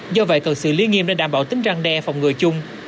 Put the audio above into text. do vậy cần sự liên nghiêm để đảm bảo tính răng đe phòng người chung